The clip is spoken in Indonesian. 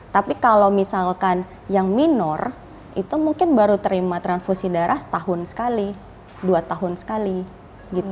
tapi kalau misalkan yang minor itu mungkin baru terima transfusi darah setahun sekali dua tahun sekali gitu